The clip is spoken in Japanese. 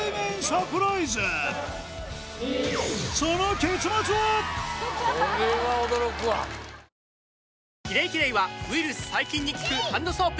「キレイキレイ」はウイルス・細菌に効くハンドソープ！